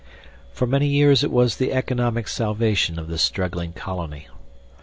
For many years it was the economic salvation of the struggling colony.